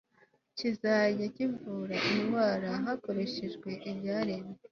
kizajya kivura indwara hakoreshejwe ibyaremwe